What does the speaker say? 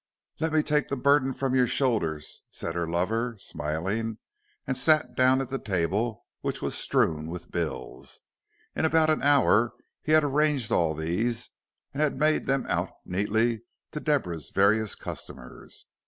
"Let me take the burden from your shoulders," said her lover, smiling, and sat down at the table which was strewn with bills. In about an hour he had arranged all these, and had made them out neatly to Deborah's various customers.